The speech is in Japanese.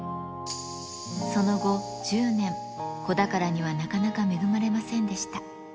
その後、１０年、子宝にはなかなか恵まれませんでした。